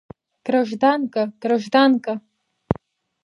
Гражданка, гражданка!